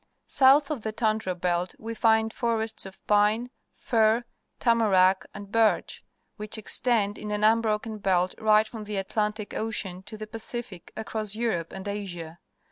South of the tundra belt we find forests of pine, fir, tamarack, and birch, which extend in an unbroken belt right from the Atlantic Ocean to the Pacific across Europe and Asia.